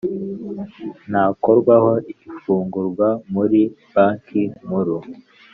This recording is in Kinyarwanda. ntakorwaho ifungurwa muri Banki Nkuru